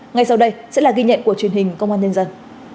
ngay sau đây sẽ là ghi nhận của truyền hình công an nhân dân